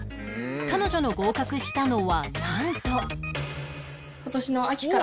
彼女の合格したのはなんと